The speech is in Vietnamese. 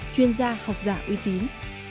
chuyên gia học giả uy tín